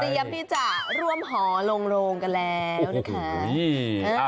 เตรียมที่จะร่วมหอโรงกันแล้วนะคะ